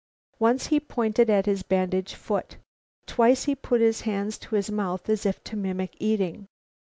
Once he pointed at his bandaged foot. Twice he put his hands to his mouth, as if to mimic eating.